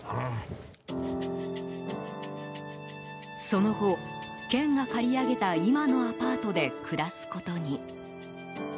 その後、県が借り上げた今のアパートで暮らすことに。